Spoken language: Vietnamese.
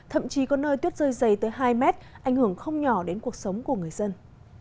thậm chí có nơi tuyết rơi dày tới hai mét ảnh hưởng không nhỏ đến cuộc sống của người dân